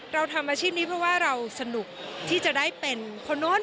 เราทำอาชีพนี้เพราะว่าเราสนุกที่จะได้เป็นคนโน้น